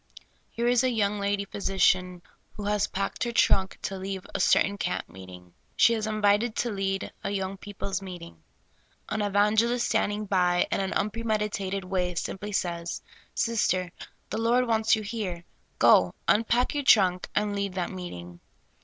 Here is a young lady phj^si cian who has packed her trunk to leave a certain camp meeting. She is invited to lead a 3'Oung people's meeting. An evangelist standing by, in an unpremedita ted way, simply says :'' Sister, the Lord wants you here ; go, unpack your trunk, and lead that meeting.